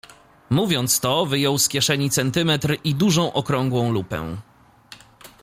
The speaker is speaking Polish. "Mówiąc to wyjął z kieszeni centymetr i dużą okrągłą lupę."